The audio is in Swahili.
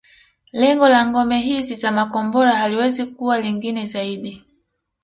Lengo la ngome hizi za makombora haliwezi kuwa lingine zaidi